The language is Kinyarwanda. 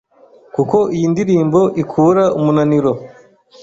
kuko iyi ndirimbo ikura umunaniro